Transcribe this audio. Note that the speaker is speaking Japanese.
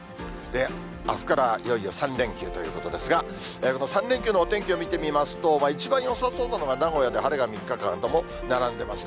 あすからいよいよ３連休ということですが、この３連休のお天気を見てみますと、一番よさそうなのが、名古屋で晴れが３日間とも並んでいますね。